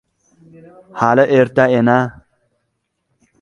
— Hali erta, ena...